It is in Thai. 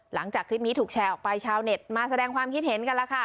หลังจากคลิปนี้ถูกแชร์ออกไปชาวเน็ตมาแสดงความคิดเห็นกันแล้วค่ะ